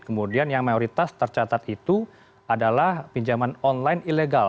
kemudian yang mayoritas tercatat itu adalah pinjaman online ilegal